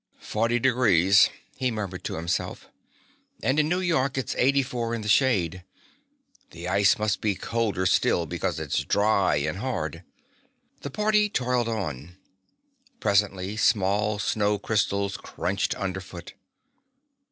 "Forty degrees," he murmured to himself. "And in New York it's eighty four in the shade. The ice must be colder still because it's dry and hard." The party toiled on. Presently small snow crystals crunched underfoot.